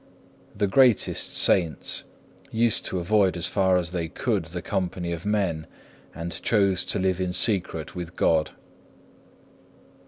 The greatest saints used to avoid as far as they could the company of men, and chose to live in secret with God.